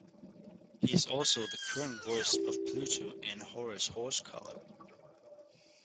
He is also the current voice of Pluto and Horace Horsecollar.